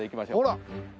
ほら。